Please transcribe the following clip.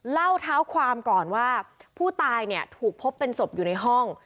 เล่าเท้าความก่อนว่าผู้ตายเนี่ยถูกพบเป็นศพอยู่ในห้อง